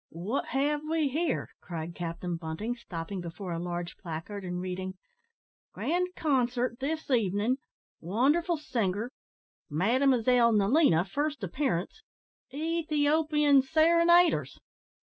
"What have we here?" cried Captain Bunting, stopping before a large placard, and reading. "`Grand concert, this evening wonderful singer Mademoiselle Nelina, first appearance Ethiopian serenaders.'